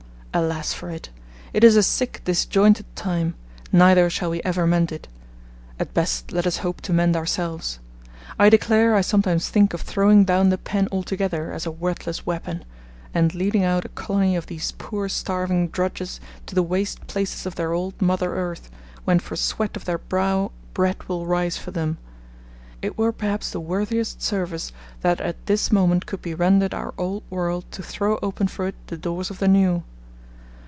Alas for it! it is a sick disjointed time; neither shall we ever mend it; at best let us hope to mend ourselves. I declare I sometimes think of throwing down the Pen altogether as a worthless weapon; and leading out a colony of these poor starving Drudges to the waste places of their old Mother Earth, when for sweat of their brow bread will rise for them; it were perhaps the worthiest service that at this moment could be rendered our old world to throw open for it the doors of the New.